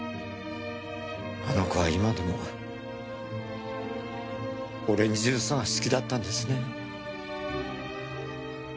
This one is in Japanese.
あの子は今でもオレンジジュースが好きだったんですね。